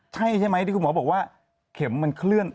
ใช่ใช่ไหมที่คุณหมอบอกว่าเข็มมันเคลื่อน